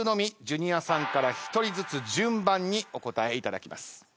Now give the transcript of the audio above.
ジュニアさんから１人ずつ順番にお答えいただきます。